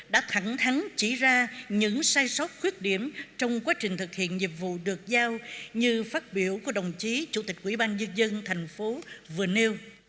đã thẳng thắn chỉ ra những sai sót khuyết điểm trong quá trình thực hiện nhiệm vụ được giao như phát biểu của đồng chí chủ tịch quỹ ban dân dân thành phố vừa nêu